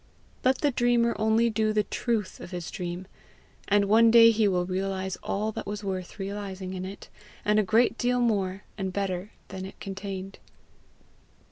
Let the dreamer only do the truth of his dream, and one day he will realize all that was worth realizing in it and a great deal more and better than it contained.